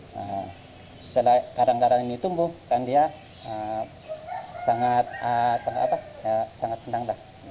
setelah karang kara ini tumbuh kan dia sangat senang